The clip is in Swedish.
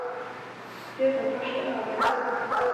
Det är som första dagen.